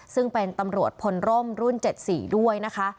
ซึ่งเป็นตำรวจพลร่มรุ่น๗๔ด้วยนะคะ